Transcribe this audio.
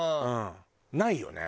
ないよね？